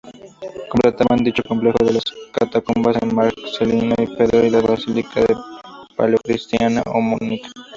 Completaban dicho complejo las catacumbas de Marcelino y Pedro y la basílica paleocristiana homónima.